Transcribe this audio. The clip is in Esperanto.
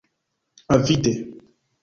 Avide.